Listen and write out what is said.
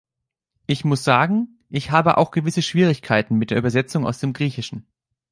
Ich muss sagen, ich habe auch gewisse Schwierigkeiten mit der Übersetzung aus dem Griechischen.